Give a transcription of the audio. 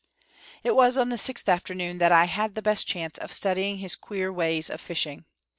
It was on the sixth afternoon that I had the best chance of studying his queer ways of fishing.